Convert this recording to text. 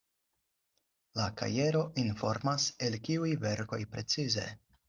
La kajero informas, el kiuj verkoj precize.